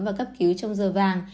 và cấp cứu trong giờ vàng